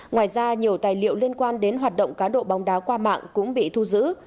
ngoài ra nhiều tài liệu liên quan đến hoạt động cá độ bóng đá qua mạng cũng bị thu giữ